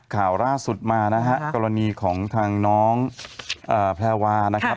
ข่าวล่าสุดมานะฮะกรณีของทางน้องแพรวานะครับ